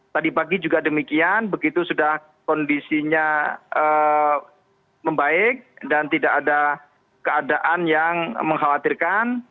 tadi pagi juga demikian begitu sudah kondisinya membaik dan tidak ada keadaan yang mengkhawatirkan